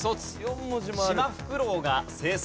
シマフクロウが生息。